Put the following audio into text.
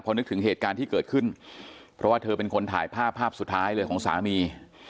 นึกถึงเหตุการณ์ที่เกิดขึ้นเพราะว่าเธอเป็นคนถ่ายภาพภาพสุดท้ายเลยของสามี